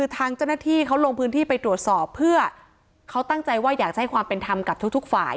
ทางเจ้าหน้าที่เขาลงพื้นที่ไปตรวจสอบเพื่อเขาตั้งใจว่าอยากจะให้ความเป็นธรรมกับทุกฝ่าย